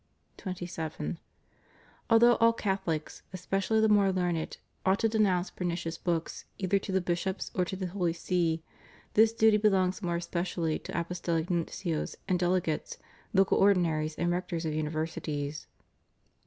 27. Although all Cathohcs, especially the more learned, ought to denounce pernicious books either to the bishops or to the Holy See, this duty belongs more especially to apostolic nuncios and delegates, local ordinaries, and rectors of imiversities.